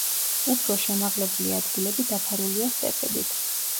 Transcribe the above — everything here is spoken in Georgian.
უფრო შემაღლებული ადგილები დაფარულია სტეპებით.